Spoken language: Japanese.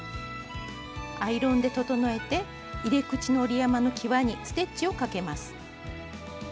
アイロンで整えて入れ口の折り山のきわにステッチをかけます。